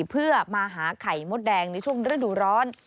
เพื่อมาหาไข่มดแดงในช่วงฤดูร้อน